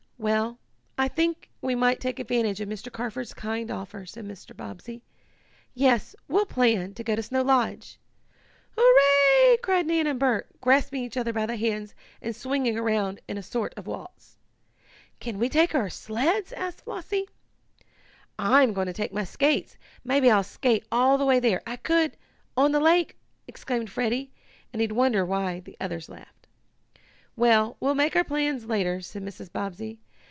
"Well, I think we might take advantage of Mr. Carford's kind offer," said Mr. Bobbsey. "Yes, we'll plan to go to Snow Lodge!" "Hurrah!" cried Nan and Bert, grasping each other by the hands and swinging around in a sort of waltz. "Can we take our sleds," asked Flossie. "I'm going to take my skates maybe I'll skate all the way there I could on the lake!" exclaimed Freddie, and he wondered why the others laughed. "Well, we'll make our plans later," said Mrs. Bobbsey.